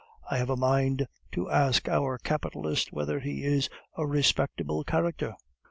I have a mind to ask our capitalist whether he is a respectable character...."